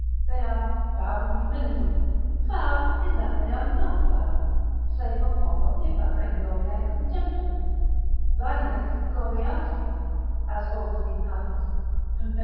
They are proud in humility, proud in that they are not proud, saepe homo de vanae gloriae contemptu, vanius gloriatur, as Austin hath it, confess.